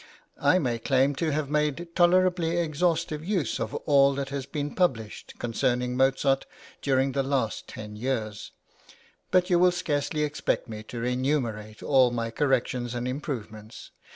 I may claim to have made tolerably exhaustive use of all that has been published concerning Mozart during the last ten years, but you will scarcely expect me to enumerate all my corrections and improvements.